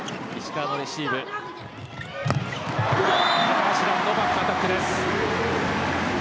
高橋藍のバックアタックです。